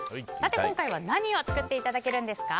今回は何を作っていただけるんですか？